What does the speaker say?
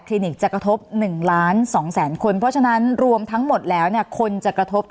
สนับสนุนโดยพี่โพเพี่ยวสะอาดใสไร้คราบ